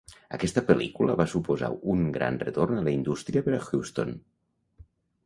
Aquesta pel·lícula va suposar un gran retorn a la indústria per a Houston.